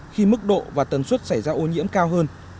khi mức độ và tần suất xảy ra ô nhiễm cao hơn